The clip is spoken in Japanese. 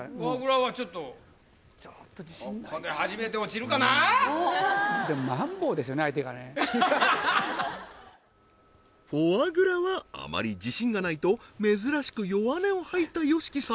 はっフォアグラはあまり自信がないと珍しく弱音を吐いたＹＯＳＨＩＫＩ様